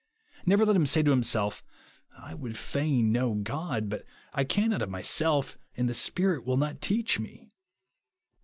Never let him say to himself, " I would fain know God, but I cannot of myself, and the Spirit will not teach me."